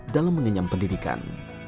dalam mengenyam pendidikan